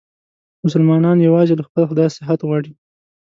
مسلمانان یووازې له خپل خدایه صحت غواړي.